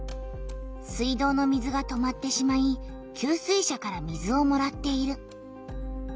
水道の水が止まってしまい給水車から水をもらっている。